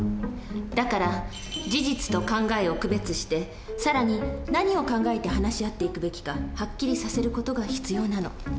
だから事実と考えを区別してさらに何を考えて話し合っていくべきかハッキリさせる事が必要なの。